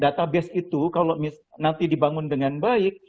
database itu kalau nanti dibangun dengan baik